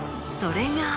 それが。